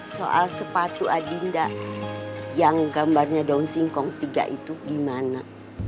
soal sepatu adinda yang gambarnya daun singkong tiga itu gimana